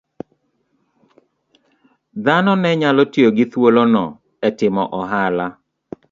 Dhanone nyalo tiyo gi thuolono e timo ohala